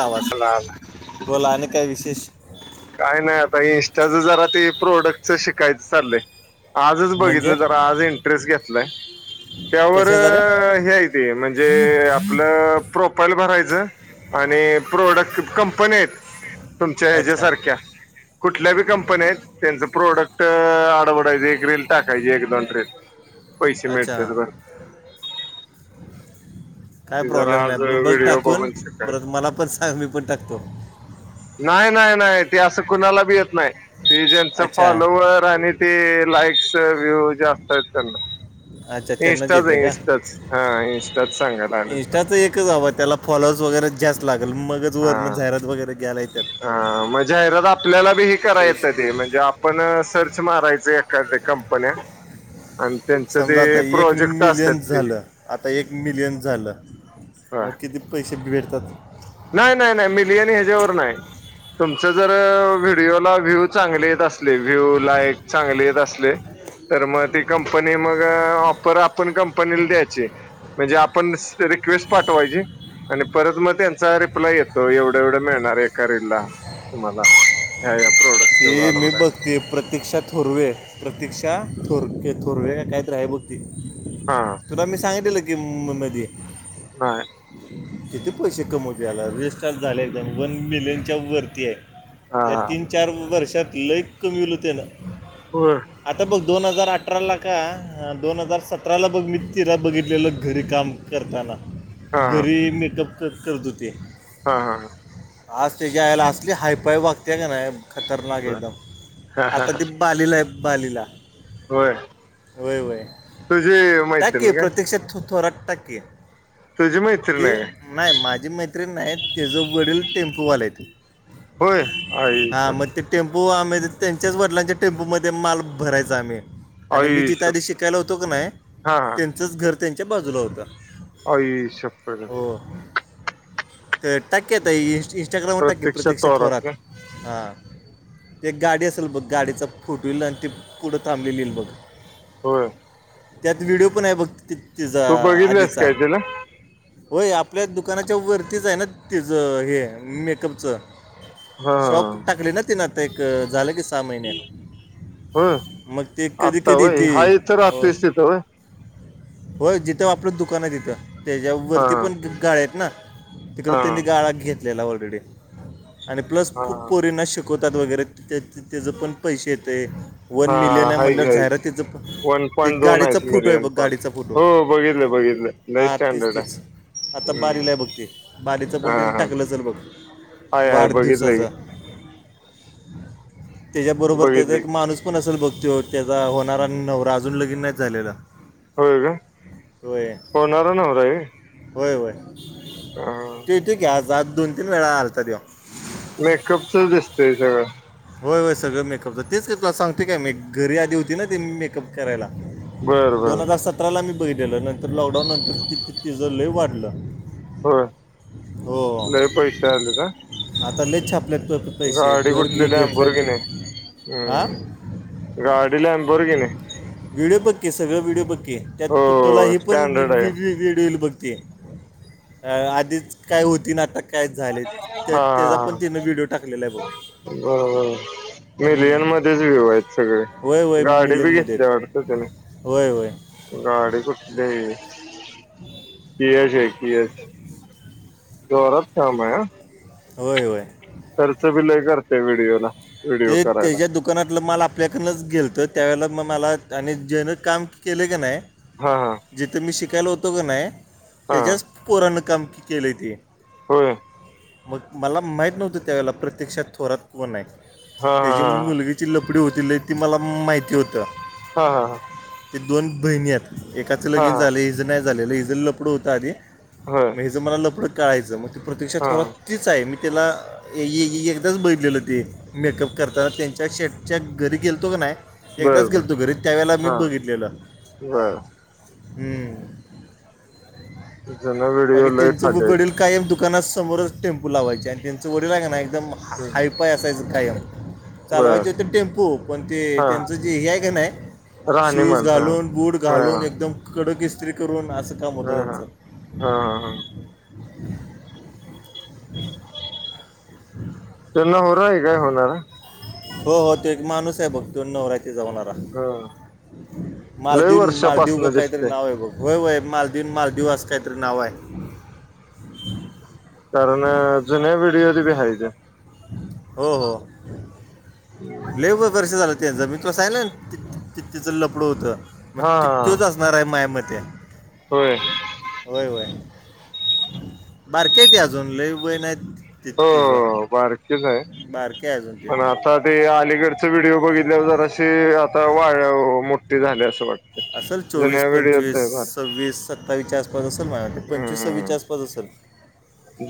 आवाज काय बोला आणि काय विशेष. काय नाही आता इनस्टाच जरा ते प्रोडक्टच शिकायचं चाललंय. आजच म्हणजे बघितलं जरा आज इंटरेस्ट घेतलंय त्यावर कशाचा रे हेयच. ते म्हणजे आपलं प्रोफाईल भरायचं. आणि प्रोडक्ट कंपनी आहेत तुमच्या अच्छा हच्यासारख्या. कुठल्या कंपन्यात त्यांच प्रोडक्ट आडवडायच्. टाकायची ह एक दोन पैसे अच्छा मिळत्यात बर. काय ते जरा प्रॉब्लेम आज नाही बघ व्हिडिओ टाकून बघून शिकायच. परत मला पण सांग मी पण टाकतो. नाही नाही नाही ते असं कुणाला भी येत नाही ते जच अच्छा फॉलोवर. आणि ते लाईक्स व्ह्यू जास्त आहेत त्यांना. अच्छा त्यांनाच इस्टाच येते आहे इस्टच हा इंस्टाच सांगतात. इं्स्टाचं एकच हवं त्याला फॉलोअर्स वगैरेच जास्त लागेल मगच वरणं जाहिरात वगैरे घ्यायला येत. ह मग जाहिरात आपल्याला बी हे करायेतं पैसे ते म्हणजे - पण सर्च मारायच एखाद्या कंपन्या - आणि त्यांचं समजा आता ते एक प्रोजेक्ट असतात मिलियन ते - झालं आता एक मिलियन झालं हा मग किती पैसे भेटतात. नाही नाही नाही मिलियन ह्याच्यावर नाही. तुमच जर व्हिडिओला व्ह्यू चांगले येत असले व्ह्यू लाईक चांगले येत असले. तर मग ती कंपनी मग ऑफर आपण कंपनीला द्यायची. म्हणजे आपण रिक्वेस्ट पाठवायची आणि परत मग त्यां चा रिप्लाय येतो एवढं एवढं मिळणार एिला तुम्हाला. हा. ते मी ब ते प्रतीक्षा थोरवे प्रतीक्षा थोरक थोरवे का कायत रा आहे बघ ते. हा. तुला मी सांगितलं की मुंबईमध्ये. बाय. किती पैसे कमवते याला रजिस्टार् झाले एकदम वन मिलियनच्या वरती आहे. हा या हा तीन चार वर्षात लय कमीवलतेनं. हो. आता बघ दोन हजार अठरा ला का दोन हजार सतराला बघ मी तिला बघितलेलं घरी काम. करताना हा हा घरी मेकअप क करत होते. हा हा हां. आज त्याच्या आयला असली हायपाय वागते का नाही. खतरनाक बर एकदम हा हा आता त बालीला आहे बालीला. होय होय तुझी मैत्रीण होय काय प्रतीक्षा थोरात टाक की. तुझी मैत्रीण ते आहे काय नाही माझी मैत्रिण नाही त्याच वडील टेम्पूवाले य ते. होय आ हा मग ते टेम्पो आम्ही त्यांच्याच वडिलांच्या टेम्पोमध्ये माल भरायचा आम्ही आणि मी आई जिथआधी शप्पथ शिकायला होतो की नाही हा हा त्यांचंच घर त्यांच्या बाजूला होतं. आई शप्पथच! हो तर टक येत इंस्टाग्राम टाक की प्रत्यक्ष प्रतीक्षित तोरात थोरात. का हा एक गाडी असेल बघ गाडीच फॉरव्हेलर आणि ते पुढं थांबलेलील बघ. होय त्यात व्हिडिओ पण आहे बघ तिचा तू बघितलंस आधीचा. काय तिला होय आपल्या दुकानाच्या वरतीच आहे ना तचं हे मेकअपचं. हा हा शॉप टाकली ना तिन आता एक झालं की सहा महिन्यातं होय मग ते कधी आत्ता कधी वय येती. हा इथं राहतोयस तिथं वय होय जिथं आपलं दुकान आहे तिथं त्याच्या हा वरती पण गाळे आहेत ना? हा तिकडं हा त्यांनी गाळा घेतलेला ऑलरेडी आणि प्लस खूप हा पोरींना शिक शिकवतात वगैरे त्याचं त्याच पण पैसे येतय. वन हा मिलियन हाय की म्हणल्यावर की जाहिरातीचं फ वन ते पॉईंट दोन गाडीचा आहेत फोटो हाय मिलियन बघ पण गाडीचा फोटो. हो बघितलं बघितलं लय हा तीच स्टँडर्ड तीच आहे आता हम्म बाली लां आहे बघ ते बालीचा हा पण त्यानी हा टाकलं असलं बघ. हाय हय बघितलंय वाढदिवसाचा की त्याच्या की बरोबर त्याचा बघितलंय एक की माणूस पण असेल बघ त्यो त्याचा होणारा नवरा अजून लगिन नाही झालेला. होय का होय होणारा नवरा आहे. होय होय व्हय हा तिथे आज दोन, तीन वेळा आलता त्यो. मेकअपचंच दिसतय सगळं होय होय सगळं मेकअपच तेच ते तुला सांगतोय काय मी घरी आधी होती ना ते मेकअप करायला. बरं बर! दोन हजार सतराला मी बघितलेलं नंतर लॉकडाऊन नंतर ती ती तिचं लय वाढलं. होय हो लय पैसे आले का आता लई छा आपल्या गाडी कुठली लेम्बोर्गिनी नाही हा हम् गाडी लॅंबोरगिनी हाय व्हिडिओ बक्के सगळं व्हिडिओ बक्के हो त्यात तोला हे पण स्टँडर्ड आहे व्हिडिओ बघ ती. अ आधीच काय होती ना आता काय झाले त्या हा त्याचा पण तिनं व्हिडिओ टाकलेला आहे बघ. बरं बरं मिलियन हम्म. मध्येच व्ह्यू आहेत सगळे होय होय गाडी बी मिलियनमध्ये घेतली आहेत. वाटत त्यान होय होय गाडी कुठलेय? [unintelligible] किया हाय किया जोरात काम आहे हा. होय होय खर्च बी लय करतय व्हिडिओला. व्हिडिओ ते करायला त्याच्या दु दुकानातलं माल आपल्याकडनच गेलतं त्यावेळेला मं मला आणि जेन काम केलयं का नायं हा हा जिथं मी शिकायला होतो का नाही हा त्याच्यास पोरानं काम केलंय ते. होय मग मला माहीत नव्हतं त्यावेळेला प्रतीक्षा थोरात कोणं हाय. हा त्याची हा मुलगीची लफडी होती लयं ती मला माहिती होतं. हा हा ह ते दोन बहिणीयेतं एकाचं हा हा लगीन हा झालं हिज नाही झालेलं हीच लफड होतं आधी. हा. मग हे जं मला लफडं कळायचं मग ती प्रतीक्षा थोरात तीच आहे मी तिला ए ए ए एकदाच बघलेलं ते. मेकअप करताना त्यांच्या शेटच्या घरी गेलतो का नाय. बर एकदाच बर गेलं तो घरी त्यावेेळेला मी हा बघितलेलं बर हम्म. जुना व्हिडिओ बाकी लय त्यांचं व- खालीयत. वडील कायम दुकाना समोरच टेम्पू लावायचे आणि त्यांचं वडीलं हाय की नाय एकदम हम्म हायफाय असायचं. कायमं बर चालवायचे ते टेम्पो पण ते हा त्यांचं जे हे हाय कां नाय शूज राहणीमान हा घालून बूट हा हा घालून एकदम कडक ईस्त्री करून आसं. हा हा हा ह. त्यांना होणारं का होणार. हो हो ते एक माणूस बघ तो नवरा. ते जाऊन आला हा लय मालदीव मालदीव वर्षापासन का काहीतरी दिसतय नाव आहे बघ होय होय मालदीव मालदीव असं काहीतरी नाव आहे. कारणं जुन्या व्हिडिओमदी बी हाय त्या. हो हो. हम् लेबर कसे झालं ते जमीन तुला असहिलं तिचं लपडू होतं मग हा तित्योचत अणार आहे माय मते. होय. होय होय बारकेेत अजून लई वय नाही. हो ततीिचं बारकीच आहे बारके अजून ते पण आता ते अलीगडच व्हिडिओ बघितल्यावर जर असे आता वा मोठठी झाले असं वाटतं. असल चोवीस पंचवीस सव्वीस सत्तर. सवीच्या आसप असेलझला ते हम्म पंचवीसावीच्या हम्म आसपास असेल.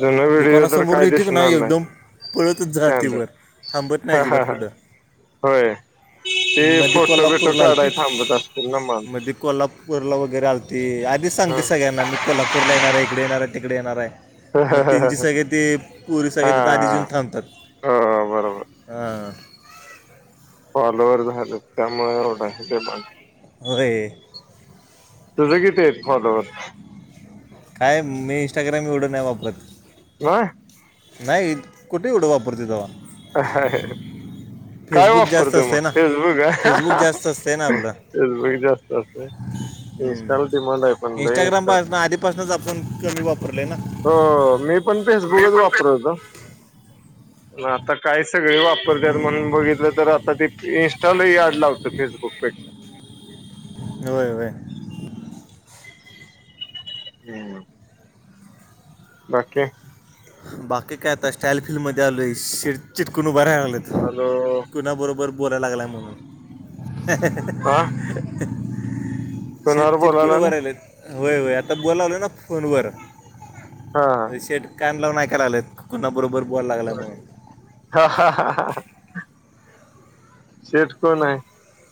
जुना व्हिडिओ तर दुकानासमोर काय येते का दिसणार नाही एकदम. पळतच स्टँडर्ड जातीवर थांबत नाही हा अजिबात हा हा कुठं. होय ते मध्ये फोटो बिटो कोल्हापूरला काढाय आलते थांबत असतील ना मग. मध्ये कोल्हापूरला वगैरे आलती आधीच सांगते सगळ्यांना मी कोल्हापूरला येणारं इकडे येणारं तिकडे येणार आहे. मग हा त्यांचे सगळे ती पोरी हा सगळे तिथं आधीचं येऊन थांबतात. हो बरोबर हा. फॉलोवर झालं त्यामुळे एवढं हाय. वे. तुझं किती आहेत फॉलोवर. काय मी इंस्टाग्राम एवढं नाही वापरत. ह. नाही कुठे उठं वापरते तेव्हा. हा ह. काय फेसबुक जास्त वापरतो मग असते ना फेसबुक आहे फेसबुक जास्त असते ना आपलं फेसबुक जास्त असत. हम्म इन्स्टाला डिमांड आहे पण लय इंस्टाग्राम इन्स्टा पाासन आधीपासनच आपण कमी वापरलंय ना. हो मी पण फेसबुकच वापरत होत. आता काय सगळे वापरतात हम्म. म्हणून बघितलं तर आता ते इं्स्टालाही अडलं होत फेसबुकपेक्षा. होय होय. हम्म. बाकी. बाकी काय आता स्टाईल फिल्म मध्ये आलोय शिड चिटकून उभराय लागलंत. आल. कुणाबरोबर बोलाय लागलाय म्हणून. ह. शेट तीटकून बोलायला ना भरायलेत. होय होय आता बोलावल ना फोनवर हा. शेट कान नाहीकाय लागलेत कुणा बरोबर बोलाय लागलाय हा म्हणून. हा हा हा ह. शेठ कोण आहे?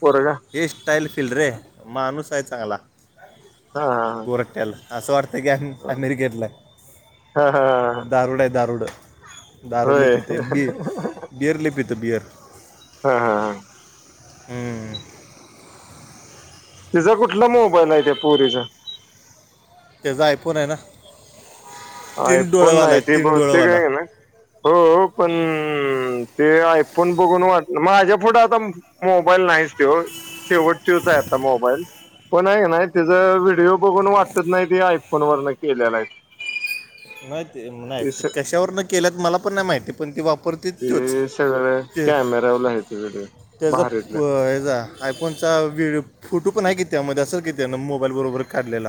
पोरगा. हे स्टाईल फिल रे माणूस आहे चांगला हा गोरटयाला. असं वाटतंय की आम्ही हा अमेरिकेतलं हा आहे दारूड आहे दारूड. दारू लय होय पीते बी बिअर लयपीतो बिअर हा हा हा. हम्म. तिचा कुठला मोबाईल आहे त्या पोरीचा? त्याच ऐकुन आहे ना. आय तीन फोन डोळेवाला नाही आहे ते तीन बहुतेक डोळेवाला हाय ना हो पण ते आय फोन बघून वाटल माझ्या पुढं आता मोबाईल नाहीच कि हो शेवटतूच आहे आता मोबाईल. पण आहे ना तिचां व्हिडिओ बघून वाटत नाही ते आयफोन वरन केलेला आहेत. नाही ते नाही कशावर न केल्यात मला पण नाही माहिती पण त वापरते तोच. ते ते कॅमेराला ते व्हिडिओ त्याचा भारीतला हेचा आयफोनचा विड फोटो पण आहे कितीमध्ये असेल की ते त्या मोबाईल बरोबर काढलेला.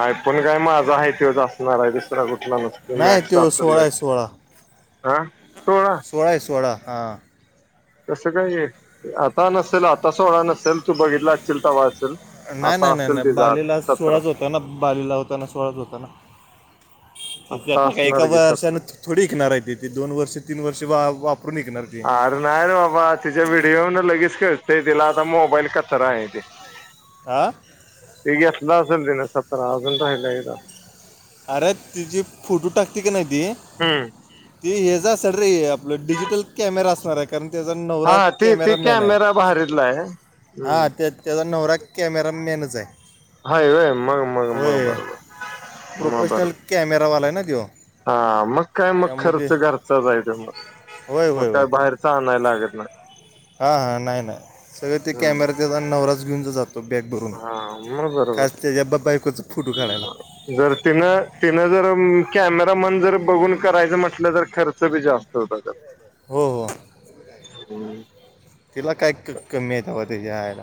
आय फोन पण काय माझा आहे तोच असणार आहे दिस कु कुठला नस नाही मॅक्स ह तो सड सोळा आहे सोळा [unintelligible] सोळा आहे सोळा हां. कस काय आता नसेल आता सोळा नसेल तू बघितला असशील ते वा असेल. नाही, आता नाही, नाही, असेल नाही तिचा आठ बालीला सतरा सोळाच होताना बालीला होता ना सोळाच होताना. तिथ आत्ता आता का एका असणार की वर्षा सतरा थोडी विकणार आहे तिथे दोन वर्ष, तीन वर्षे वापरून विकणार. ती अरे नाही रे बाबा तिच्या व्हिडिओ लगेच खेचतय तिला आता मोबाईल कचरा आहेते.. आं.. ह घेतला असल तिन सतरा हजार ला सांगितला इथ. अरे तिजी फोटो टाकते का नाही ते हम्म ती हेजा अ सरी आपलं डिजिटल कॅमेरा असणार आहे का कारण त्याचा नवरा हा ते ते कॅमेरा मॅन आहे भारीतला आहे हा हम्म त्या त्याचा नवरा कॅमेरा मॅनच आहे. होय, होय, मग, मग, मग होय बरोबर. मग प्रोफेशनल बरोबर कॅमेरा वाला आहे ना तो. हा मग काय मग खर्च घरचाच आहे ते मग, होय मग काय बाहेर सांंगाया लागत नाही. हा, हा, नाही, नाही सगळे ते हम्म कॅमेरा तिचा नवराच घेऊन जातो. तो बॅग भरून हा मग बरोबर घास त्याच्या बायकोच फोटो काढायला. जर तिनं, तिनं जर कॅमेरामॅन जर बघून करायचं म्हटलं तर खर्च बी जास्त. हो ब [unintelligible] हो, हो तिला काय क कमी आहे तवा तिच्या आयला.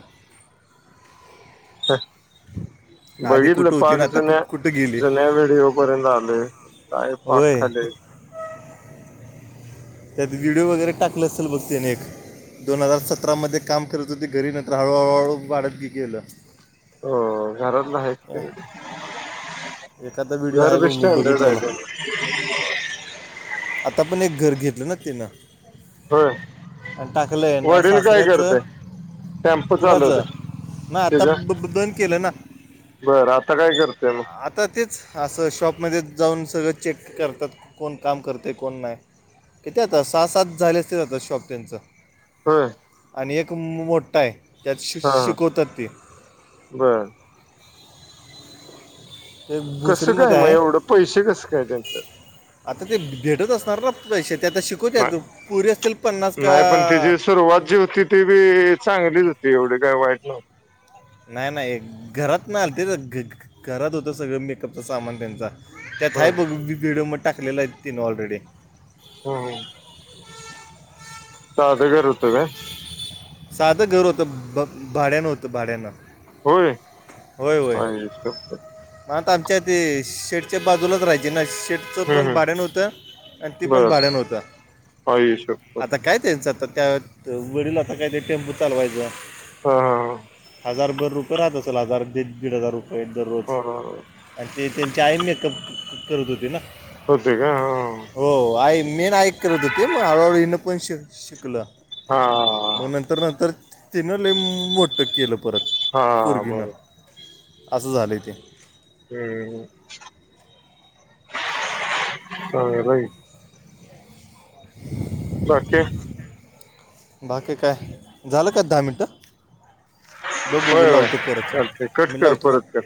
आधी बघितलं कुठं होती पार्ट ना आता कु जुन्या, कुठं गेली जुन्या विडिओ बरेला आलोय काय पाक होय खालेत. त्यात व्हिडिओ वगैरे टाकलं असेल बघ त्याने एक. दोन हजार सतरा मध्ये काम करत होते घरी नंतर हळू, हळू, हळू वाढत बी गेलं. हो घरातल आहेत ते. एखादा व्हिडिओ गर बघ विष्ट मी आहे [unintelligible] बघितलेला डयत आता पण एक घर घेतलं ना तिनं. होय टाकलं ना वडील काय सासरेच. करते टेम्पो कुराच चालवते ना आता तिचा बंद केलं ना. बरं आता काय करतेय मग आता तेच असं शॉपमध्ये जाऊन सगळं चेक करतात कोण काम करते कोण नाही. किथ आतां सहा सात झाल्यास ते जातं शॉप त्यांचं. हम. आणि एक मोठा आहे त्यात श शिकवतात तेी बरं. ते कसं काय भुसरीमध्ये मग आहे एवढं पैसे कसं काय त्यांचं. आता ते भेटत असणार ना पैसे ते आता शिकवत नाही पुरी असतील पन्नास का? नाही पण तिची सुरुवात जी होती ती बी चांगलीच होती एवढी काय वाईट नव्हते. नाही नाही घरात नाही आलं ते घ घरात होतं सगळं मेकअपचा सामान त्यांचा त्यात नव्हती हय बघ व्हिडिओ मग टाकलेला आहे तिने ऑलरेडी हो हो. ध गरत आहे. साधं घर होतं भाड्यान होतं भाड्यांना होय होय होय. आई शप्पथ मग आता आमच्या ते शेडच्या बाजूलाच राहाय ना शेट. च हम्म पण हम्म भाड्याण होतं आणि ते पण बर भाडण होतं. आई शप्पथ आता काय त्यांचं आता त्या वडील आता काय ते टेम्पू चालवायचा. हा ह. हजारभर रुपये राहत असेल हजारीड दीड हजार रुपये दररोज बरोबर आणि ते त्यांचे आई मेकअप करत होते ना. होते का हा. हो आई मी ना ऐक होत होते मग हळूहळू हनं पण शिक शिकलं. हा. मग नंतर नंतर तिनं ले मोट्टक केलं परत हा पोरगीनं बरोबर असं झालंय ते हम्म अई. बाकीे बाकी काय झालं का दहा मिनटं ब ब होय गुला होय होतो परत चालतंय कट कर मलावतं परत का? कर.